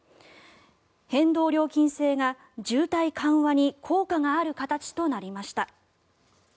変動料金制が渋滞緩和に効果がある形となりました。